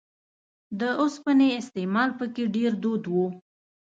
د اوسپنې استعمال په کې ډېر دود و